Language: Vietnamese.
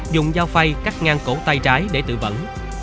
dùng dao phay cắt ngang cổ tay trái để tự vẫn